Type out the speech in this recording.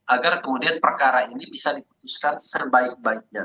agar kemudian perkara ini bisa diputuskan sebaik baiknya